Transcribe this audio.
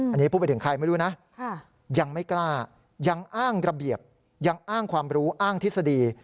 อันนี้พูดไปถึงใครไม่รู้นะยังไม่กล้ายังอ้างระเบียบยังอ้างความรู้อ้างทฤษฎี